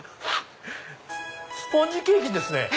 スポンジケーキですね！